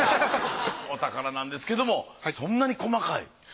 お宝なんですけれどもそんなに細かい？